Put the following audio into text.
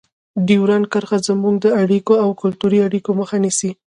ډیورنډ کرښه زموږ د اړیکو او کلتوري اړیکو مخه نیسي.